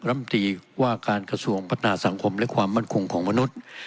รำตีว่าการกระทรวงพัฒนาสังคมและความมั่นคงของมนุษย์